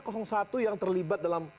satu yang terlibat dalam